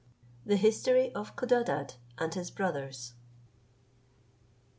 THE HISTORY OF CODADAD, AND HIS BROTHERS.